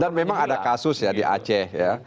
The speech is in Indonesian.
dan memang ada kasus ya di aceh ya